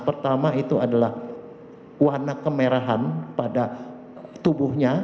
pertama itu adalah warna kemerahan pada tubuhnya